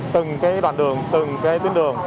từng đoạn đường từng tuyến đường